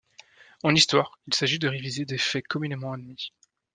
En histoire, il s'agit de réviser des faits communément admis.